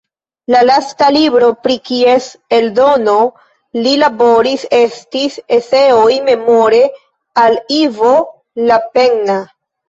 La lasta libro pri kies eldono li laboris estis "Eseoj Memore al Ivo Lapenna".